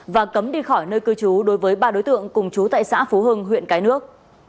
và cấm đi khỏi nơi cư trú đối với ba đối tượng cùng chú tại xã phú hưng huyện cái nước